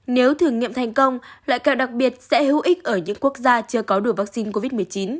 nếu thử nghiệm thành công loại kẹo đặc biệt sẽ hữu ích ở những quốc gia chưa có đủ vaccine covid một mươi chín